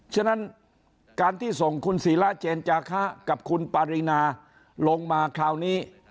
ฉะนั้นการที่ส่งคุณศิราเจนจาคะกับคุณปารีนาลงมาคราวนี้